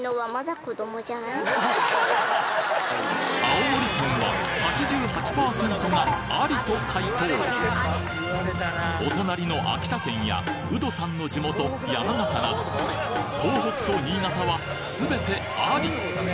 青森県は８８％がアリと回答お隣の秋田県やウドさんの地元山形など東北と新潟は全てアリ！